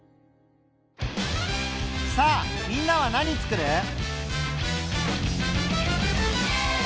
さあみんなは何つくる？